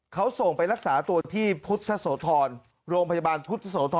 เขาส่งไปรักษาตัวที่พุทธโสธรโรงพยาบาลพุทธโสธร